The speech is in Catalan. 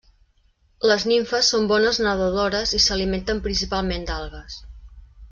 Les nimfes són bones nedadores i s'alimenten principalment d'algues.